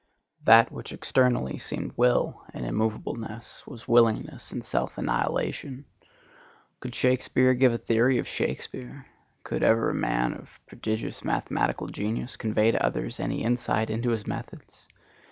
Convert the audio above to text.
That which externally seemed will and immovableness was willingness and self annihilation. Could Shakspeare give a theory of Shakspeare? Could ever a man of prodigious mathematical genius convey to others any insight into his methods?